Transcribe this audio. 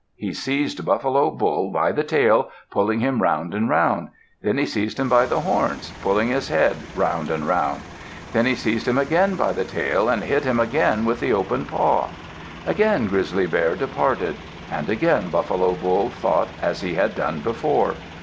He seized Buffalo Bull by the tail, pulling him round and round. Then he seized him by the horns, pulling his head round and round. Then he seized him again by the tail and hit him again with the open paw. Again Grizzly Bear departed. And again Buffalo Bull thought as he had done before.